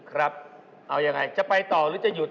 ครับเอายังไงจะไปต่อหรือจะหยุด